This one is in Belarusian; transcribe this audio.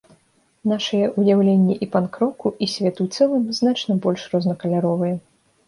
Нашае ўяўленне і панк-року, і свету ў цэлым, значна больш рознакаляровае.